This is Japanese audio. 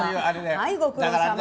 はいご苦労さま。